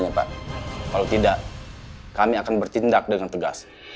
aku gak izinin mama pergi